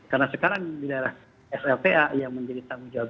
karena sekarang di daerah slpa yang menjadi tanggung jawab